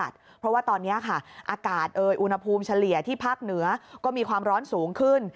เพราะว่าตอนนี้ค่ะอากาศอุณหภูมิเฉลี่ยที่ภาคเหนือก็มีความร้อนสูงขึ้น